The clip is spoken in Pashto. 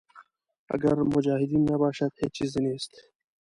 اګر مجاهدین نباشد هېچ چیز نیست.